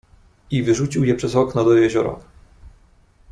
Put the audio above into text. "I wyrzucił je przez okno do jeziora."